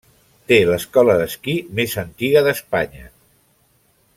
Té l'escola d'esquí més antiga d'Espanya.